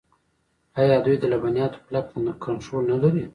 آیا دوی د لبنیاتو کلک کنټرول نلري؟